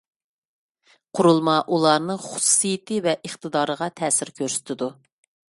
قۇرۇلما ئۇلارنىڭ خۇسۇسىيىتى ۋە ئىقتىدارىغا تەسىر كۆرسىتىدۇ.